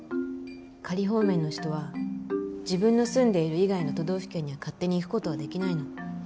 仮放免の人は自分の住んでいる以外の都道府県には勝手に行くことはできないの。